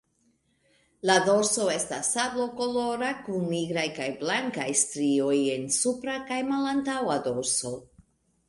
La dorso estas sablokolora kun nigraj kaj blankaj strioj en supra kaj malantaŭa dorso.